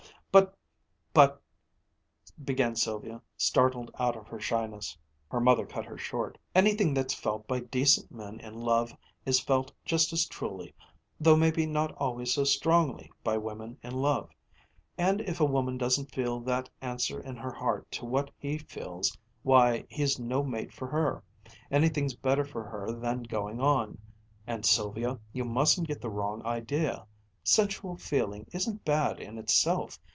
"But but " began Sylvia, startled out of her shyness. Her mother cut her short. "Anything that's felt by decent men in love is felt just as truly, though maybe not always so strongly, by women in love. And if a woman doesn't feel that answer in her heart to what he feels why, he's no mate for her. Anything's better for her than going on. And, Sylvia, you mustn't get the wrong idea. Sensual feeling isn't bad in itself.